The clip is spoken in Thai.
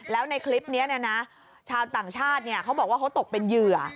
แล้วในคลิปนี้ชาวต่างชาติเขาบอกว่าเขาตกเป็นเหยื่อ